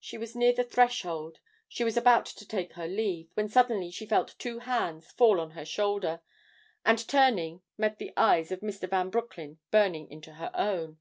She was near the threshold she was about to take her leave, when suddenly she felt two hands fall on her shoulder, and turning, met the eyes of Mr. Van Broecklyn burning into her own.